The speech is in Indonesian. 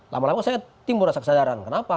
lama lama saya timbul rasa kesadaran kenapa